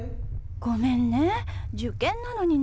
ごめんね受験なのにね。